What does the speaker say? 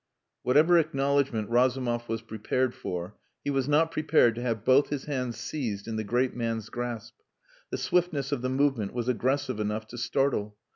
Whatever acknowledgment Razumov was prepared for, he was not prepared to have both his hands seized in the great man's grasp. The swiftness of the movement was aggressive enough to startle.